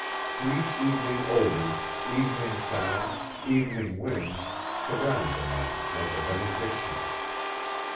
Sweet evening odors, evening sounds, evening winds, surround the men like a benediction.